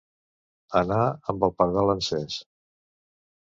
Anar amb el pardal encès.